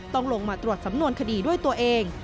ต้องลงมาตรวจสำนวนคดีด้วยตัวเอง